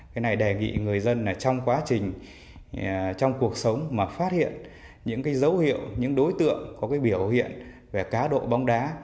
cái này đề nghị người dân trong quá trình trong cuộc sống mà phát hiện những cái dấu hiệu những đối tượng có cái biểu hiện về cá độ bóng đá